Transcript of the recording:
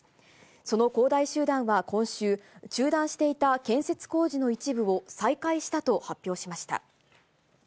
その恒大集団は今週、中断していた建設工事の一部を再開したと発表しました。